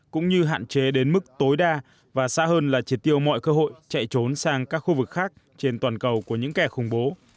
cũng như hạn chế đến mức tối đa và xa hơn là triệt tiêu mọi cơ hội chạy trốn sang các khu vực khác trên toàn cầu của những kẻ khủng bố